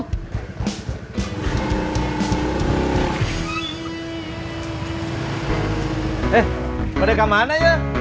eh pada kemana ya